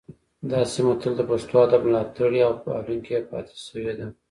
دا سیمه تل د پښتو ادب ملاتړې او پالونکې پاتې شوې ده